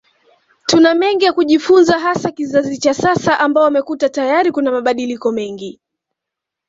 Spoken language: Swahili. Tuna mengi ya kujifunza hasa kizazi cha sasa ambao tumekuta tayari kuna mabadiliko mengi